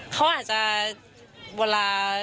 เขาอาจจะ